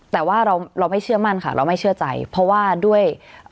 แต่ว่าเราเราไม่เชื่อมั่นค่ะเราไม่เชื่อใจเพราะว่าด้วย